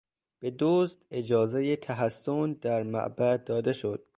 به دزد اجازهی تحصن در معبد داده شد.